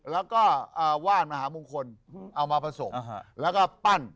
แล้วก็ว่านมหามงคลเอามาผสมแล้วก็ปั้น